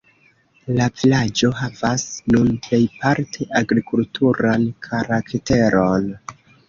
La vilaĝo havas nun plejparte agrikulturan karakteron.